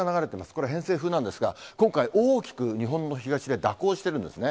これ、偏西風なんですが、今回、大きく日本の東で蛇行してるんですね。